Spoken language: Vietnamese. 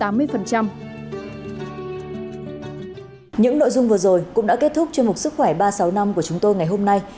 những nội dung vừa rồi cũng đã kết thúc chương mục sức khỏe ba trăm sáu mươi năm của chúng tôi ngày hôm nay